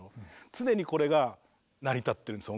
常にこれが成り立ってるんですよ